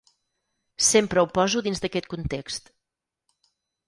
Sempre ho poso dins d’aquest context.